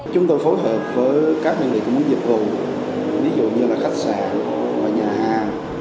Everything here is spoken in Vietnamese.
chúng tôi phối hợp với các nguyên liệu của mỗi dịch vụ ví dụ như là khách sạn nhà hàng